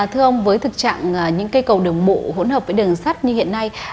thưa ông với thực trạng những cây cầu đường bộ hỗn hợp với đường sắt như hiện nay